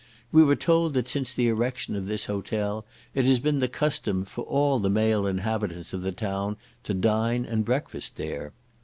We were told that since the erection of this hotel, it has been the custom for all the male inhabitants of the town to dine and breakfast there.